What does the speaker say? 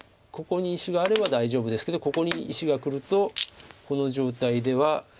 ここに石があれば大丈夫ですけどここに石がくるとこの状態では。